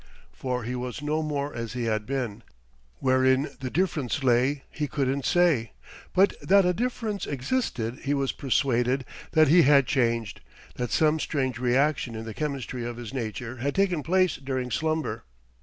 For he was no more as he had been. Wherein the difference lay he couldn't say, but that a difference existed he was persuaded that he had changed, that some strange reaction in the chemistry of his nature had taken place during slumber.